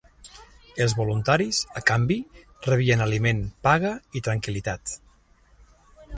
Els voluntaris, a canvi, rebien aliment, paga i tranquil·litat.